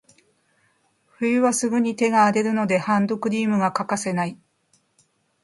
冬はすぐに手が荒れるので、ハンドクリームが欠かせない。